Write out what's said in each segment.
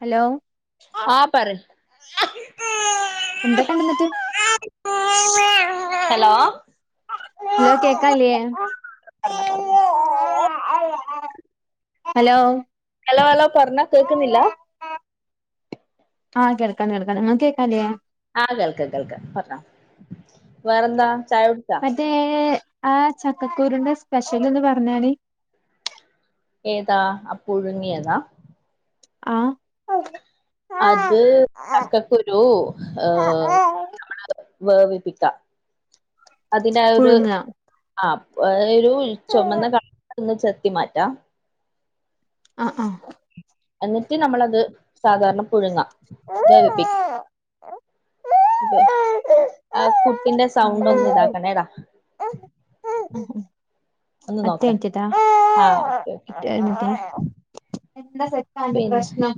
Hello ആ പറി അ [unintelligible] എന്തക്കണ്ട്ന്നിട്ട് hello hello കേക്ക്ല്യേ ഹലോ ഹലോ ഹലോ പറഞ്ഞ കേക്കുന്നില്ല ആഹ് കേൾക്കാൻ കേൾക്കാൻ ഇങ്ങക്ക് കേക്കാ ല്ല്യേ ആഹ് കേൾക്ക കേൾക്ക പറഞ്ഞോ വേറെന്താ ചായ കുടിച്ചാ മറ്റേ ആ ചക്കക്കുരുന്റെ സ്പെഷ്യല് ഒന്ന് പറഞ്ഞാണി ഏതാ ആ പുഴുങ്ങിയതാ ആ അത് ചക്കക്കുരു ഏ നമ്മള് വേവിപ്പിക്ക അതിനായൊരു പുഴുങ്ങ ആ അ [unintelligible] [unintelligible] ചൊമന്ന ക ഒന്ന് ചെത്തി മാറ്റാ ആഹ് ആഹ് എന്നിട്ട് നമ്മളത് സാധാരണ പുഴുങ്ങ വേവിപ്പിക്ക ബെ ആ കു പിന്നെ സൗണ്ട് ഒന്നു ഇതാക്കണേടാ ഒന്ന് നോക്ക് ആഹ് ഓക്കെ ഓക്കെ [inaudible] എന്താ സെക്കാ അന്റെ പിന്നെ പ്രശ്നം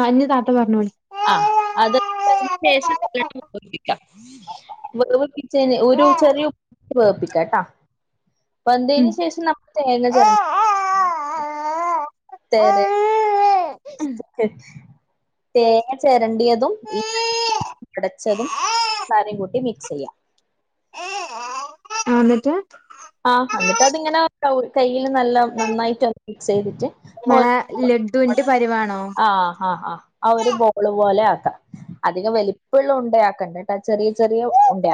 ആ ഇഞ്ഞ് താത്ത പറഞ്ഞോളി ആ അത് [unintelligible] തിന് ശേഷം [unintelligible] ശരി ഒരു ചെറിയ വേവ്പ്പിക്കാട്ടോ ഉം പ്പന്തേന് ശേഷം നമ്മൾ തേങ്ങ ചരണം തന്നെ തേങ്ങ ചരണ്ടിയതുംഉടച്ചതുംരും കൂട്ടി സ്യ അന്നിട്ട് ആഹ് എന്നിട്ട് അതിങ്ങനെ കയ്യിൽ നല്ല നന്നായിട്ട് മിക്സ് ചെയ്തിട്ട ങ്ങളെ ലഡുവിന്റെ പരിവാണോ ആ ആ ആ ആ ഒരു ബോള് പോലെ അധികം വലിപ്പുള്ള ഉണ്ടാക്കണ്ട് ചെറിയ ചെറിയ ഉണ്ട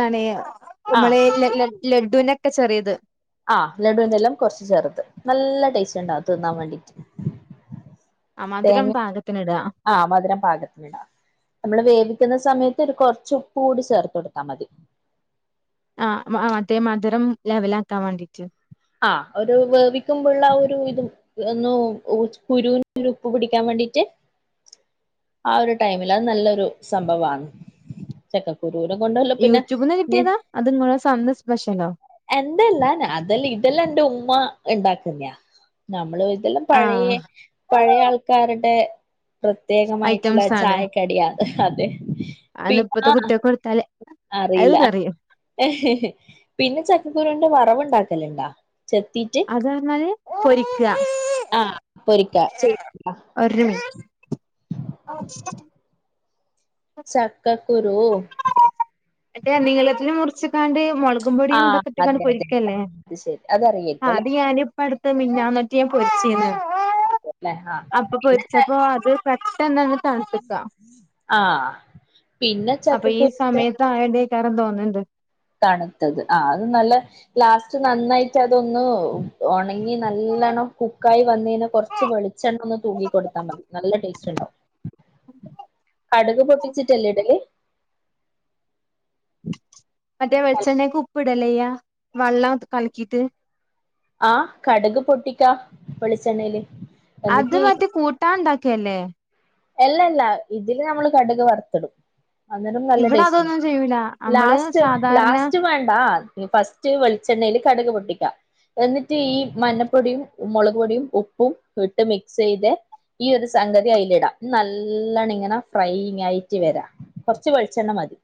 നനയും കുമിളയില്ലല്ലോ ലഡുവിനൊക്കെ ചെറിയത് ആഹ ലഡുവിന്റെ എല്ലാം കൊറച്ച് ചേർത്ത് നല്ല ടേസ്റ്റ് ഉണ്ടാവ തിന്നാൻ വേണ്ടീട്ട് ആ മധുരം തേങ്ങ പാകത്തിന് ഇടാ ആഹ മധുരം പാകത്തിന് ഇടാം നമ്മള് വേ- ക്കുന്ന സമയത്ത് ഒരു കൊറച്ച ഉപ്പ് കൂടി ചേർത്ത് കൊടുത്താ മതി ആ മറ്റേ മധുരം ലെവലാക്കാൻ ആാക്കാൻ വേണ്ടിട്ട് ആ ഒരു വേവിക്കുമ്പോുള്ള ഒരു ഇതും ഒ കുരുവിന ഒരു ഉപ്പ് പിടിക്കാൻ വേണ്ടിട്ട് ആ ഒരു ടൈമിൽ അത് നല്ലരു സംഭവമാണ് ചക്കക്കുരു ദൂരം കൊണ്ടല്ലോ പിന്നെ യൂട്യൂബ്ന്ന് കിട്ടിയതാ അത് ഇങ്ങളെ അന്ന് സ്പെഷ്യലോ എന്തല്ലാ അതല് അല്ല എന്റെ ഉമ്മ ഉണ്ടാക്കുന്നാ നമ്മള് ഇതെല്ലാം പഴയ ആഹ് പഴയ ആൾക്കാരുടെ പ്രത്യേകമായിട്ടുള്ള ഐറ്റംസ് ആണ് ചായക്കടിയാത അതെ അന്ന് ഇപ്പത്തെ പിന്നെ കുട്ടികൾക്ക് കൊടുത്താല് അത് അറിയില്ല പറയും പിന്നെ ചക്കക്കുരുവിന്റെ വറവ് യുണ്ടാക്ക ചെണ്ട അത പറഞ്ഞാല് പൊരിക്കുക ആഹ് പൊരിക്ക ചെയ്യ ഒരു ഓക്ക ചക്കക്കുരു അട്ടെ നിങ്ങളത്തിന് മുറിച്ച് ണ്ട് മുളകും പൊടിയും ആഹ് ഇതൊക്കെ ഇട്ടക്കണ്ട് അതെ അതെ പൊരിക്കല്ലേ അത് ശരി ആ അതറിയായിരിക്കും അല്ലെ അത് ഞാന ഇപ്പടു മിന്നാ നൊട്ടിയ പൊരിച്ചീന്ന് അല്ലെ ആഹ് അപ്പൊ പൊരിച്ചപ്പോ അത് തന്ന ആഹ പിന്നെ അപ്പൊ ഈ ചക്കക്കുരുന്റെ സമയത്ത് ആ എന്തക്കാരൻ തോന്നുന്നുണ്ട് തണുത്തത് ആ അത് നല്ല ലാസ്റ്റ് നന്നായിട്ട് അതൊന്ന് ഒണങ്ങി നല്ലണ്ണം കുക്കായി വന്ന് കയിഞ്ഞാ കൊറച്ച് വെളിച്ചെണ്ണ ഒന്ന് തൂകി കൊടുത്താ മതി നല്ല ടേസ്റ്റ് ഉണ്ടാവും കടുക് പൊട്ടിച്ചിട്ടല്ലേ ഇടല് മറ്റേ വളിച്ചെണ്ണേക്ക് ഉപ്പ് ഇടല്ലേ ചെയ്യാ വെള്ളം കലക്കീട്ട് ആഹ് കടുക് പൊട്ടിക്കാ വെളിച്ചണ്ണേല് അത് മറ്റേ കൂട്ട് [unintelligible] ഇണ്ടാക്കല്ലേ എല്ലല്ല ഇതില് നമ്മള് കടുക് വറത്തിടും അന്നേരം നല്ല ഇവിടെ ടേസ്റ്റ്ണ്ട് അതൊന്നും ചെയ്യൂല നമ്മള് ലാസ്റ്റ് സാധാരണ ലാസ്റ്റ് വേണ്ടാ ഫസ്റ്റ് വെളിച്ചെണ്ണയിൽ കടുക് പൊട്ടിക്കാം എന്നിട്ട് ഈ മഞ്ഞപ്പൊടിയും മുളക് പൊടിയും ഉപ്പും ഇട്ട് മിക്സ് ചെയ്ത് ഈ ഒരു സംഗതി അയിലിടാം. നല്ലണ്ണം ഇങ്ങനെ ഫ്രൈ ആയിട്ട് വരാ കൊറച്ച് വളിച്ചെണ്ണ മതി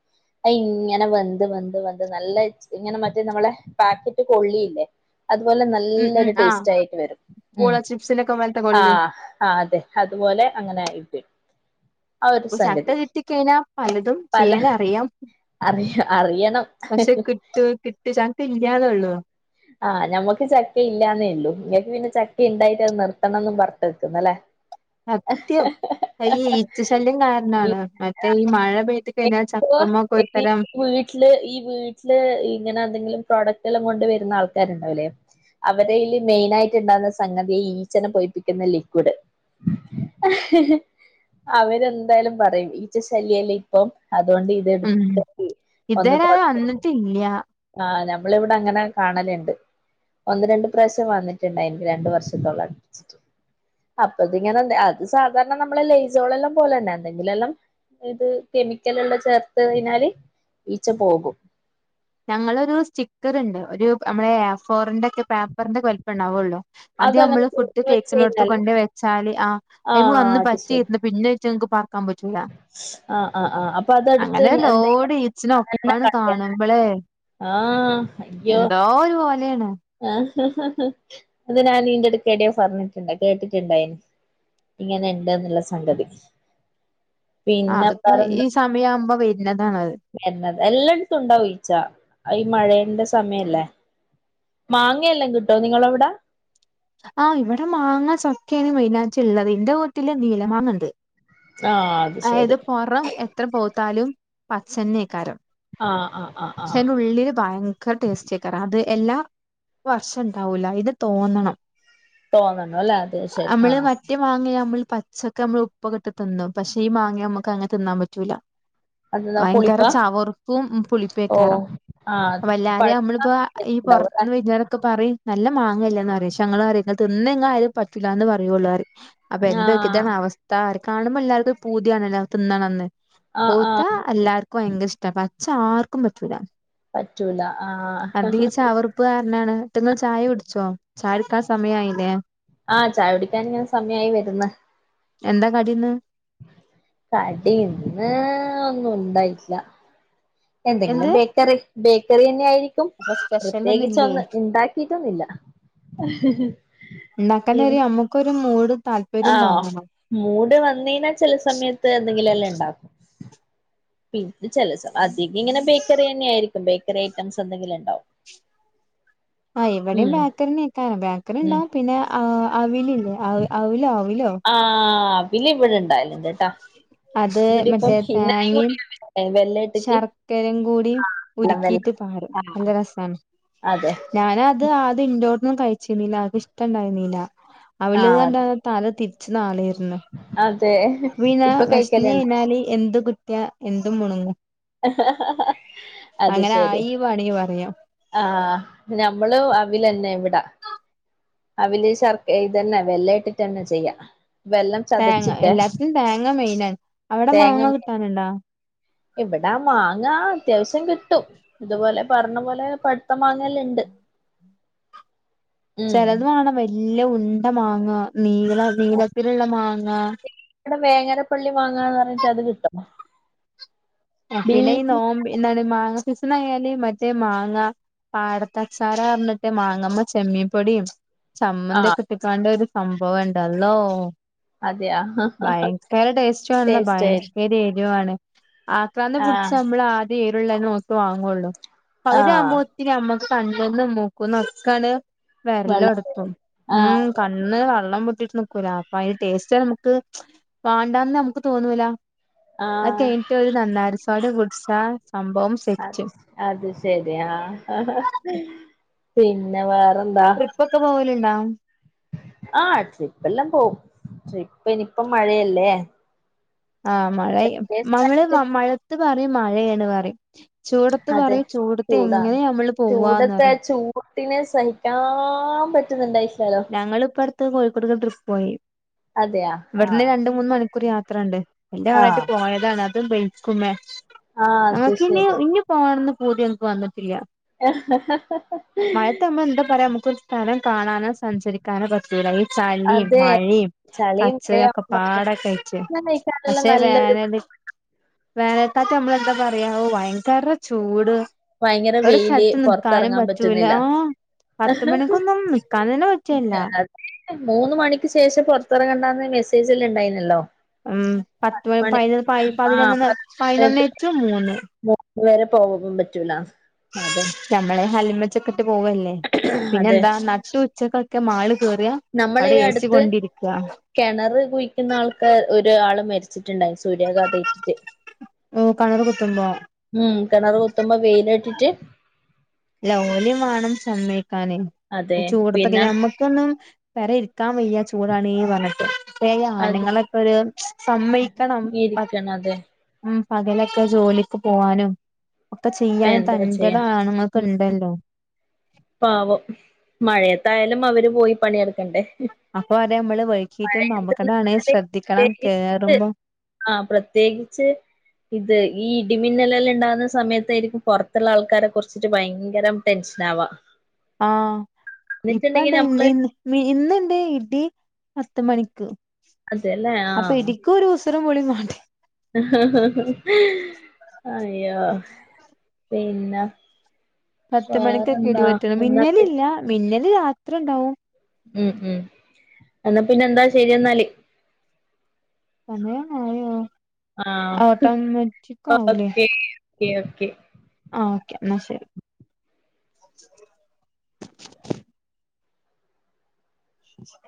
അ ഇങ്ങനെ വെന്ത് വെന്ത് വെന്ത് നല്ല ഇങ്ങനെ മറ്റേ നമ്മളെ പാക്കറ്റ് കൊള്ളിയില്ലേ അതുപോലെ ഉം ഉം നല്ലൊരു ആഹ് ടേസ്റ്റ് ആയിട്ട് വരും പൂള ഉം ചിപ്സിനൊക്കെ പോലത്തെ കൊള്ളി ആഹ് ആഹ് അതെ അതുപോലെ അങ്ങനെ ആ ഒരു അപ്പ ചക്ക സംഗതി കിട്ടി കഴിഞ്ഞാ പലതും പല ചെയ്യാൻ അറിയാം. അറിയ പക്ഷെ കിട്ട് കിട്ട് ചക്ക ഇല്ലാതെള്ളൂ. ആഹ് ഞമ്മക്ക് ചക്ക ഇല്ലാന്നേ ഉള്ളു നിങ്ങക്ക് പിന്നെ ചക്ക ഉണ്ടായിട്ട് അത് നിർത്തണംന്ന് പറട്ട് നിക്കുന്നല്ലേ സത്യം ഈ ഈച്ച ശല്യം കാരണമാണ് മറ്റേ ഈ മഴ പെയ്തി എ വീട്ടില് ഈ വീട്ടില് ഇങ്ങനെ എന്തെങ്കിലും പ്രോഡക്റ്റും കൊണ്ട് വരുന്ന ആൾക്കാരുണ്ടാവുലെ അവരെല് മെയിനായിട്ട് ഉണ്ടാവുന്ന സംഗതി ഈച്ചന പൊയിപ്പിക്കുന്ന ലിക്വിഡ് അവരെന്തായാലും പറയും ഈച്ച ശല്യ അപ്പം. ഉം ഇതവരാ തൊട വന്നിട്ടില്ല്യ. ആഹ് നമ്മളിവിടെ അങ്ങനെ കാണല്ണ്ട് ഒന്ന് രണ്ട് പ്രാവശ്യം വന്നിട്ടുണ്ടായി രണ്ട് വർഷത്തോളം അടുപ്പിച്ചിട്ട് അപ്പതിങ്ങനെ അത് സാധാരണ നമ്മള ലെയ്സോളെല്ലാം പോലെ തന്നെ എന്തെങ്കിലല്ലാം ഇത് കെമിക്കല്ള്ള ചേർത്ത് കയിഞ്ഞാല് ഈച്ച പോകും. ഞങ്ങളൊരു സ്റ്റിക്കർ ഇണ്ട് ഒരു നമ്മളെ ഫോറിന്റെ പേപ്പറിന്റെക്കെ വലുപ്പം ഉണ്ടാവുള്ളോ അത് അതങ്ങനെ നമ്മള് ഫുഡ് തുറന്ന് വെച്ച് കേക്കിനോടുത്ത് കഴിഞ്ഞാല് കൊണ്ട വെച്ചാല് ആ് അയി വന്ന് പറ്റിയിന്ന് പിന്നെ ചെ ഞങ്ങക്ക് പ ആഹ് ആ് ആഹ് അപ്പൊ അതടുത്ത് അങ്ങനെ എന്തണ് [unintelligible] ഉം ആ എന്തോ ഒരു പോലെയാണ് ആ അത് ഞാൻ നിന്റെടുക്കടോ പറഞ്ഞിട്ടുണ്ട കേട്ടിട്ടുണ്ടായിന് ഇങ്ങനെ ഇണ്ട് എന്നുള്ള സംഗതി ആ പിന്നെ അതിപ്പോ ഈ വേറെന്താ സമയ ആവുമ്പോ [unintelligible] എല്ലായിടത്തും ഇണ്ടാവും ഈച്ച ഈ മഴേന്റെ സമയല്ലേ മാങ്ങയെല്ലാം കിട്ടോ നിങ്ങളെവിട ആഹ് ഇവിടെ മാങ്ങസ്ക്കെയാണ് വൈനാച്ച ഉള്ളത് എറെ വീട്ടില് നീല മാങ്ങ ഉണ്ട് ആഹ് അത് അയത് ശരി പൊറം എത്ര പോത്താലും പച്ചന്നേക്കാരം ആഹ് ആഹ് ആഹ് പക്ഷെ ആഹ് അയിന്റെ ഉള്ളില് ഭയങ്കര ടേസ്റ്റി ആക്കരാ അത് എല്ലാ വർഷ ഉണ്ടാവൂല ഇത് തോന്നണം തോന്നണ അല്ലേ അത ശരി ആഹ പച്ചൊക്കെ നമ്മൾ ഉപ്പൊ കെട്ട് ന്ന പക്ഷെ ഈ മാങ്ങ നമുക്ക് അങ്ങനെ തിന്നാൻ പറ്റൂല അതെന്താ ഭയങ്കര പുളിപ്പാ ചവർപ്പും പുളിപ്പ് ഓ എക്കാരം ആഹ് അത് അപ്പ ശരി എല്ലാരെയും നമ്മളിപ്പോ ഈ പഴുത്തിട്ടുണ്ടാവുംല്ലേ പുറത്തുന്ന് വരുന്നവരൊക്കെ പറയും നല്ല മാങ്ങല്ലാന്ന് പറ ഞങ്ങളും പറയാ ഇങ്ങള് തിന്നു കഴ്ഞ്ഞാ പറ്റില്ലന്ന് പറയുള്ളള്ളാര് അപ്പൊ എന്തൊക്ക ആഹ് ഇതാണ് അവസ്ഥാ കാണുമ്പോ എല്ലാവർക്കും ഒരു പൂതിയാണ്ല്ല തിന്നാണന്ന് ആഹ് പൊവ്താ ആഹ് എല്ലാർക്കും ഭയങ്കരിഷ്ട്ട പക്ഷെ ആർക്കും പറ്റൂല പറ്റൂല ആഹ് അതി ചവറുപ്പ് കാരണാണ് ന്നട്ട് ങ്ങൾ ചായ കുടിച്ചോ ചയ കുടിക്കാൻ സമയയിലെ ആഹ ചായ കുടിക്കൻ ഇങ്ങനെ സമയായി വരുന്ന് എന്താ കടിന്ന് കാടി ന്ന് ഒന്നും ഉണ്ടായിട്ടില്ല എന്തെങ്കിലും എന്ത് ബേക്കറി ബേക്കറി തന്നെയ ആയിരിക്കും അപ്പൊ സ്പെഷ്യലൊന്നും ഇല്ലേ പ്രത്യേകിച്ചൊന്നും ഉണ്ടാക്കിട്ടൊന്നില്ല ഉണ്ടാക്കാൻ ഒരു നമ്മുക്കൊരു മൂട് താല്പര്യം ആഹ തോന്നണം മൂട് വന്ന് യിഞ്ഞാ ചില സമയത്ത് എന്തെങ്കിലും എല്ലാം ഉണ്ടാക്കും പിന്നെ ചല അ [unintelligible] തിക്കിങ്ങനെ ബേക്കറിന്നെ ആയിരിക്കും ബേക്കറി ഐറ്റംസ് എന്തെങ്കിലും ഉണ്ടാവും ആഹ് ഇവിടെയും ബേക്കറി ന്നേക്കാരം ബേക്കറി ഉം ഉണ്ടാവും പിന്നെ അവില് ആ അവിൽ ഇവിടെ ഉണ്ടാവലുണ്ട് ട്ടോ അത് മറ്റേ തേങ്ങ അവില് വെല്ല ഇട്ടിട്ട് ശർക്കരയും കൂടി വെള്ളം വെള്ളം ഉരുക്കിയിട്ട് പാരും ആഹ് നല്ല രസമാണ് അതെ ഞാന അത് ആദ്യം ഇണ്ട് ചോും ക [unintelligible] [unintelligible] ഇഷ്ടണ്ടായി നീല അവള് ആഹ് കണ്ടാ തല തിരി [unintelligible] അതെ [unintelligible] പിന ഇപ്പൊ വശ്മി കഴിക്കലുണ്ട് അഴഞ്ഞാല് എന്ത് കീ [unintelligible] [unintelligible] അത് അങ്ങനെ ആയി വാണി പറയാം ഞമ്മള് അവിലന്നെ ഇവിടാ, അവല് ശർക്ക് ഇതന്നെ വെല്ലാ ഇട്ടിട്ടന്നെ ചെയ്യാ. വെല്ലം തേങ്ങ ചതച്ചിട്ട് എല്ലാത്തിനും തേങ്ങ മെയിനാണ് അവിടെ മാങ്ങ കിട്ടാനിണ്ടാ? ഇവിടാ മാങ്ങ അത്യാവിശ്യം കിട്ടും, ഇതുപോലെ പറഞ്ഞ പോലെ പഴുത്ത മാങ്ങല്ലെണ്ട് ചെലത് വേണം വെൽ നല്ല ഉണ്ട മാങ്ങ നീള നീളത്തിലുള്ള മാ ആഹ് വേങ്ങന പള്ളി മാങ്ങാന്ന് പറഞ്ഞിട്ട് അത് കിട്ടും ബി പിന്നെ ഈ നോമ്പ് എന്താണ് മാങ്ങ സീസണായാല് മറ്റേ മാങ്ങ പാടത്തെ [unintelligible] ആ പറഞ്ഞിട്ട് മാങ്ങ നമ്മള് ചെമ്മീ പൊടിയും ചമ്മന്തി ആഹ് ഒക്കെ ഇട്ടിങ്ങാണ്ട് ഒരു സംഭവിണ്ടല്ലോ അതെയാ ഭയങ്കര ടേസ്റ്റ്ന്ന് പറഞ്ഞാ ടേസ്റ്റ് ഭയങ്കരേ [unintelligible] ആക്രാന്തം പിടിച്ച് ആഹ് നമ്മള് ആദ്യേ ഉള്ളേ നോക്കി വാങ്ങള്ളൂ ആഹ് [unintelligible] കണ്ടെന്നും നോക്കൂന്നും ഒക്കാണ് വരല്ല വെള്ളം എടുത്തും ഉം ആഹ് കണ്ണ് വെള്ളം കട്ട് നക്കൂലെ അപ്പൊ അതിന്റെ ടേസ്റ്റ് നമുക്ക് വേണ്ടാന്ന് നമുക്ക് തോന്നൂല ആ അത് കഴിഞ്ഞിട്ട് ഒരു നന്നാഡി സോഡ കുടിച്ചാൽ സംഭവം അത് സെറ്റ് അത് ശരി ആഹ് പിന്നെ വേ ട്രിപ്പൊക്കെ പോ [unintelligible] ആ ട്രിപ്പെല്ലാം പോകും ട്രിപ്പ് ഇനിപ്പം മഴയല്ലേ ആ മഴ നമ്മള് വെക്കേഷനായിട്ട് മഴ ഇത് പറെയും മഴയാന്ന്‌ പറയും ചൂടത്ത് അതെ പറയും ചൂടത്ത് നിന്ന് ചൂടാണ് നമ്മള് പോവാന്ന്‌ പറയും [unintelligible] നെ സഹിക്കാൻ പറ്റുന്നുണ്ടായില്ല ഞങ്ങള് ഇപ്പടു ത്ത് കോഴിക്കോട്ടേക്ക് ഒരു ട്രിപ്പ് പോയി അതെയാ ഇവിടുന്ന് ആഹ് രണ്ട് മൂന്ന് മണിക്കൂർ യാ ത്രയൂണ്ട് എന്റെ ആളായിട്ട് ആഹ് പോയതാണ് [unintelligible] ആഹ് അത് ആക്കിനി ശരി ഇനി പോണന്ന് പൂതിങ്ങക്ക് വന്നിട്ടില്ല മഴയത്ത് നമ്മൾ എന്താ പറയാ നമുക്കൊരു [inaudible] സ്ഥലം കാണാന സഞ്ചരിക്കാനെ പറ്റൂല ഈ ചളിം അതെ മഴെയും ചളിയും കച്ചറൊക്കെ മഴയാവുമ്പോ പാടെ കഴിച്ച് ഭക്ഷണം കഴിക്കാനെല്ലാം പക്ഷെ നല്ലൊരു വേനല് വേനൽ കാലത്ത് നമ്മളെന്താ പറയാ ഒ ഭയങ്കര ചൂട് ഭയങ്കര ഒരു വെയില് സ്ഥലത്ത് നിക്കാനും പൊറത്തെറങ്ങാൻ പറ്റൂല പറ്റുന്നില്ല ആ പത്തുമണിക്കൊന്നും നിക്കാൻ തന്നെ പ അ അതെ മൂന്ന് മണിക്ക് ശേഷം പുറത്തിറങ്ങണ്ട മെസ്സേജല്ലാണ്ടായിന്നല്ലോ ഉം പത്ത് പതിനൊന്ന് പതി പതിനൊന്ന് പതിനൊന്ന് റ്റു മൂന്ന് [inaudible] ഇതുവരെ പോവാൻ പറ്റൂല അതെ [unintelligible] പോവല്ലേ പിന്നെ അതെ എന്താ നട്ടു ഉച്ചക്ക്‌ കെ മാള് കേറുക നമ്മളെ അവിടെ ഈ എ സി അടുത്ത് കൊണ്ടിരിക്കുക കെണറ് കുഴിക്കുന്ന ആൾക്കാ ഒരാള് മരി വച്ചിട്ടുണ്ടായി സൂര്യാഘാതമേറ്റിട്ടു ഓ കണറ് കുത്തുമ്പോ ഉം കിണറു കുത്തുമ്പോ വെയില് തട്ടിയിട്ട് [unintelligible] ജോലിയും വേണം സമയി ക്കാനെ ഈ അതെ ചൂടത്തൊക്കെ പിന്നെ ഞമ്മക്കൊന്നും വരയിരി നിൽക്കാൻ വയ്യാ ചൂടാണേ പറഞ്ഞിട്ട് അപ്പൊ ഈ അത് ആണുങ്ങളൊക്ക ഒരു സമ്മേക്കണം ഇരിക്കണം അതെ ഉം പകലൊക്കെ ജോലിക്ക് പോവാനും ഒക്കെ ചെയ്യാൻ എന്താ ചെയ്യാ തൻ്റേടം ആണുങ്ങ ഉം ബെണ്ടോ പാവം മഴയത്തായാലും അവര് പോയി പണിയെടുക്കണ്ടേ അപ്പൊ അതെ നമ്മള് വൈകീട്ടും അപകടാണ് പഴയ ശ്രദ്ധിക്കണം കേറുമ്പോ ആ പ്രത്യേകിച്ച് ഇത് ഈ ഇടിമിന്നലെലാം ഇണ്ടാകുന്ന സമയത്തായിരിക്കും പുറത്തുള്ള ആൾക്കാരെ കുറിച്ചിട്ട് ഭയങ്കരം ടെൻഷനാവാ ആ ഇപ്പണ്ട് നമ്മള് ഇന്നുണ്ട് ഇടി പത്ത് മണിക്ക് അതല്ലേ ആ അത്രമൊളി മാണ്ടേ അഹാ ഹാ ഹാ അയ്യോ പിന്ന പത്ത് മണിക്കൊക്കെ ഇടിപെറ്റണം പി മിന്നലില്ല മിന്നൽ അത് രാത്രി ഉണ്ടാവും ഉം ഉം എന്നാ പിന്നെ എന്താ ശരി എന്നാല് സമയം ആയോ ആ ഓട്ടോമറ്റിക്കാവൂല്ലേ ഓക്കെ ഓക്കെ ഓക്കെ ആ ഓക്കെ എന്നാ ശരി